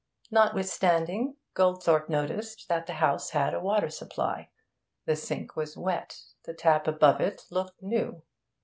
Notwithstanding, Goldthorpe noticed that the house had a water supply; the sink was wet, the tap above it looked new.